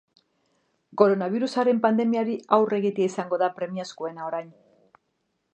Koronabirusaren pandemiari aurre egitea izango da premiazkoena orain.